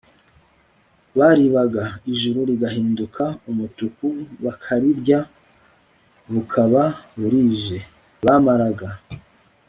baribaga, ijuru rigahinduka umutuku, bakarirya, bukaba burije. bamaraga